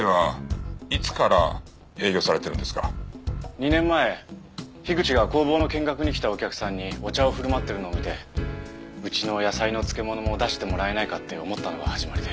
２年前口が工房の見学に来たお客さんにお茶を振る舞ってるのを見てうちの野菜の漬物も出してもらえないかって思ったのが始まりで。